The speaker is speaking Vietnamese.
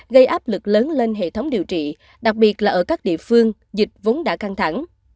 gây áp lực lớn lên hệ thống điều trị đặc biệt là ở các địa phương dịch vốn đã căng thẳng